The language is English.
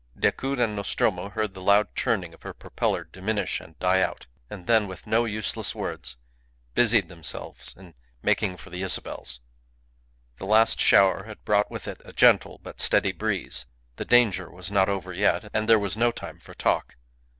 Decoud and Nostromo heard the loud churning of her propeller diminish and die out; and then, with no useless words, busied themselves in making for the Isabels. The last shower had brought with it a gentle but steady breeze. The danger was not over yet, and there was no time for talk.